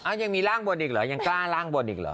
ยังมีร่างบนอีกเหรอยังกล้าล่างบนอีกเหรอ